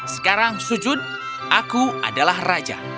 sekarang sujun aku adalah raja